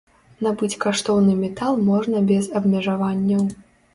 Набыць каштоўны метал можна без абмежаванняў.